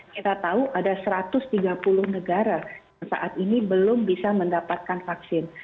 kita tahu ada satu ratus tiga puluh negara yang saat ini belum bisa mendapatkan vaksin